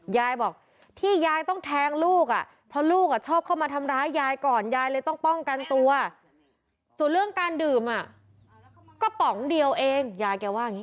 ยายบอกที่ยายต้องแทงลูกอ่ะเพราะลูกชอบเข้ามาทำร้ายยายก่อนยายเลยต้องป้องกันตัวส่วนเรื่องการดื่มก็ป๋องเดียวเองยายแกว่าอย่างนี้